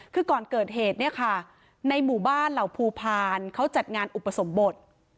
คือก่อนเกิดเหตุเนี่ยค่ะในหมู่บ้านเหล่าภูพาลเขาจัดงานอุปสมบท